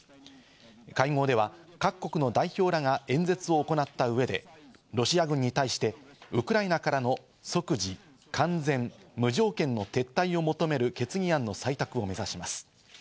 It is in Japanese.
会合では各国の代表らが演説を行った上で、ロシア軍に対してウクライナからの即時、完全、無条件の撤退を求める決議案の採択を目指します。